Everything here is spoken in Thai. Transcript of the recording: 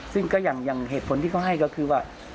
ซึ่งก็อย่างเหตุผลที่เขาให้ก็คือว่า